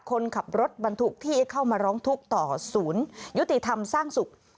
คนขับรถบรรทุกที่เข้ามาร้องทุกข์ต่อศูนยุติธรรมสร้างสุข